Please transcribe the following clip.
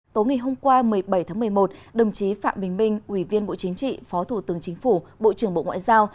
tối ngày hôm qua một mươi bảy tháng một mươi một đồng chí phạm bình minh ủy viên bộ chính trị phó thủ tướng chính phủ bộ trưởng bộ ngoại giao